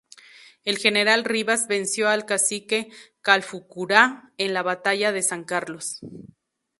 El general Rivas venció al cacique Calfucurá en la batalla de San Carlos.